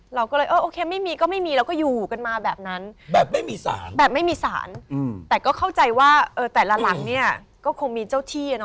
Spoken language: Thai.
เราก็เลยเออโอเคไม่มีก็ไม่มีเราก็อยู่กันมาแบบนั้นแบบไม่มีสารแบบไม่มีสารแต่ก็เข้าใจว่าเออแต่ละหลังเนี่ยก็คงมีเจ้าที่นะ